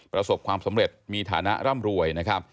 ประสบความสำเร็จมีฐานะร่ำรวย